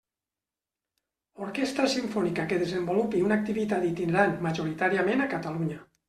Orquestra simfònica que desenvolupi una activitat itinerant majoritàriament a Catalunya.